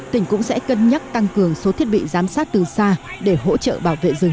tỉnh cũng sẽ cân nhắc tăng cường số thiết bị giám sát từ xa để hỗ trợ bảo vệ rừng